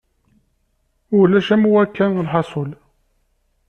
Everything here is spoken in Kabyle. Ulac am wakka lḥasul.